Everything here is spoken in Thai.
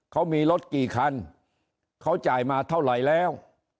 เขามีรถกี่คันเขาจ่ายมาเท่าไหร่แล้ว